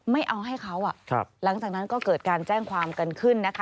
ไม่เอาให้เขาหลังจากนั้นก็เกิดการแจ้งความกันขึ้นนะคะ